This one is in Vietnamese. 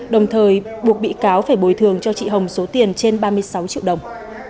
đồng thời buộc bị cáo phải bồi thường cho chị hồng số tiền trên ba mươi sáu triệu đồng